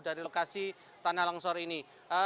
di lokasi tanah lonsor ini